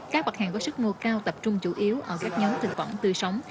các mặt hàng có sức mua cao tập trung chủ yếu ở các nhóm thực phẩm tươi sống